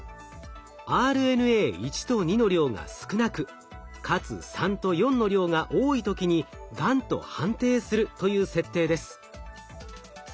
ＲＮＡ１と２の量が少なくかつ３と４の量が多い時にがんと判定するという設定です。